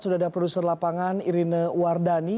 sudah ada produser lapangan irine wardani